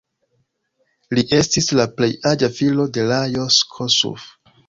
Li estis la plej aĝa filo de Lajos Kossuth.